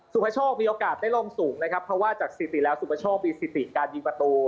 พโชคมีโอกาสได้ลงสูงนะครับเพราะว่าจากสถิติแล้วสุปโชคมีสิติการยิงประตู